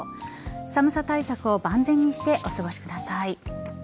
寒さ対策を万全にしてお過ごしください。